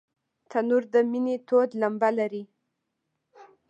تنور د مینې تود لمبه لري